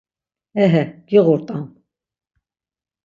Ehe giğurt̆an.